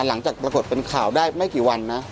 หลังจากปรากฏเป็นข่าวได้ไม่กี่วันนะ